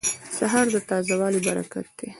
سهار د تازه والي برکت دی.